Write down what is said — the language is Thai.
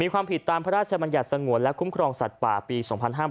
ความผิดตามพระราชบัญญัติสงวนและคุ้มครองสัตว์ป่าปี๒๕๕๙